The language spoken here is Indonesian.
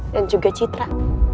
dan juga citra